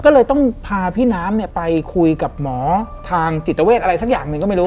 ก็เลยต้องพาพี่น้ำไปคุยกับหมอทางจิตเวทอะไรสักอย่างหนึ่งก็ไม่รู้